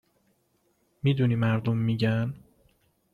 میدونی مردم میگن